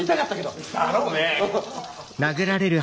だろうね。